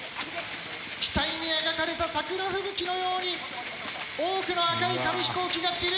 機体に描かれた桜吹雪のように多くの赤い紙飛行機が散る。